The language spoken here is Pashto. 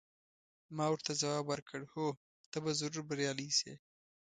ما ورته ځواب ورکړ: هو، ته به ضرور بریالۍ شې.